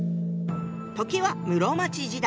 時は室町時代。